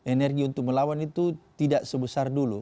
energi untuk melawan itu tidak sebesar dulu